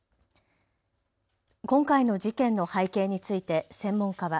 今回の事件の背景について専門家は。